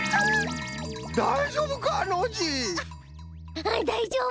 あだいじょうぶ。